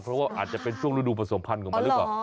เพราะว่าอาจจะเป็นช่วงฤดูผสมพันธ์ของมันหรือเปล่า